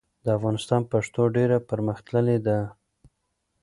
د افغانستان پښتو ډېره پرمختللې ده.